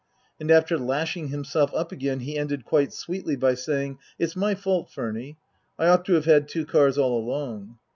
And after lashing himself up again he ended quite sweetly by saying, " It's my fault, Furny. I ought to have had two cars all along."